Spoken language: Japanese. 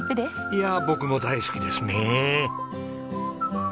いや僕も大好きですね。